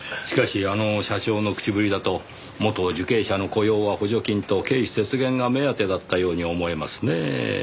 しかしあの社長の口ぶりだと元受刑者の雇用は補助金と経費節減が目当てだったように思えますねぇ。